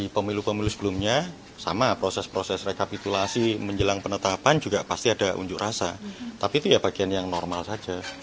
pemilu pemilu sebelumnya sama proses proses rekapitulasi menjelang penetapan juga pasti ada unjuk rasa tapi itu ya bagian yang normal saja